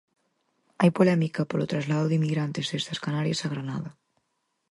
Hai polémica polo traslado de inmigrantes desde as Canarias a Granada.